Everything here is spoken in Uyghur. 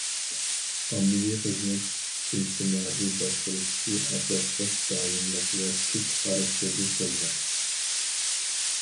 ئاممىۋى خىزمەت ئىجتىمائىي باشقۇرۇشتىكى ئاساسلىق، دائىملىق ۋە تۈپ خاراكتېرلىك خىزمەت.